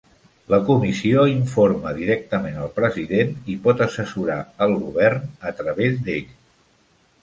La comissió informa directament al president i pot assessorar el govern a través d'ell.